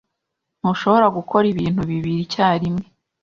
Ntushobora gukora ibintu bibiri icyarimwe.